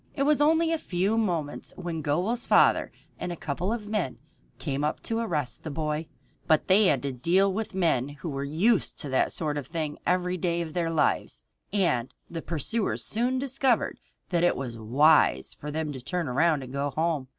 It was only a few moments when Gobel's father and a couple of men came up to arrest the boy, but they had to deal with men who were used to that sort of thing every day of their lives, and the pursuers soon discovered that it was wise for them to turn around and go home.